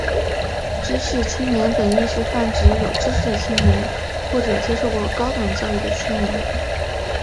知识青年本义是泛指有知识的青年或者接受过高等教育的青年。